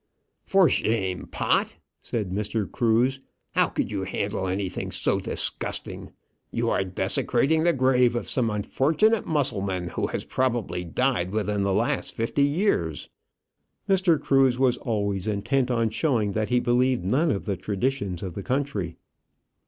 "For shame, Pott," said Mr. Cruse. "How could you handle anything so disgusting? You are desecrating the grave of some unfortunate Mussulman who has probably died within the last fifty years." Mr. Cruse was always intent on showing that he believed none of the traditions of the country.